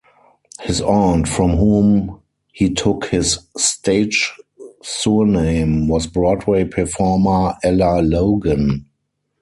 His aunt, from whom he took his stage surname, was Broadway performer Ella Logan.